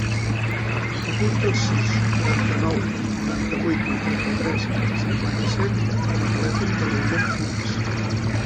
Apunta el sis, quaranta-nou, noranta-vuit, vuitanta-tres, cinquanta-set com a telèfon del Lian Funes.